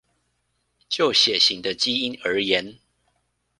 就血型的基因而言